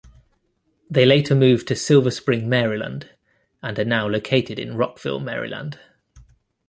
They later moved to Silver Spring, Maryland, and are now located in Rockville, Maryland.